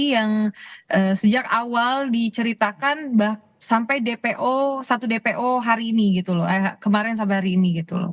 yang sejak awal diceritakan sampai satu dpo hari ini